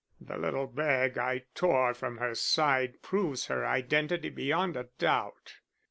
The little bag I tore from her side proves her identity beyond a doubt.